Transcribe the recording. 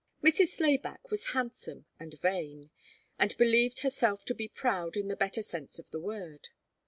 Mrs. Slayback was handsome and vain, and believed herself to be proud in the better sense of the word.